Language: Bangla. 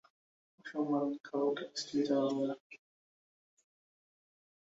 অসম্মানের খবরটা স্ত্রীকে জানালে না।